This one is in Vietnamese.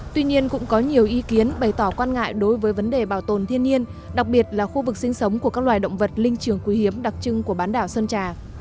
tuy nhiên cũng có nhiều ý kiến bày tỏ quan ngại đối với vấn đề bảo tồn thiên nhiên đặc biệt là khu vực sinh sống của các loài động vật linh trường quý hiếm đặc trưng của bán đảo sơn trà